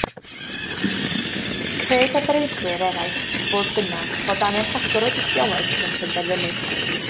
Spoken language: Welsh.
Cred arbenigwyr eraill, fodd bynnag, fod angen rhagor o dystiolaeth cyn penderfynu.